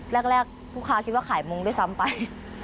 แรกลูกค้าคิดว่าขายมุ้งด้วยซ้ำไป